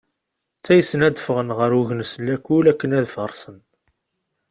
Ttaysen ad d-ffɣen ɣer ugnes n lakul akken ad farsen.